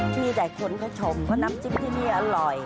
มีแต่คนเขาชมว่าน้ำจิ้มที่นี่อร่อย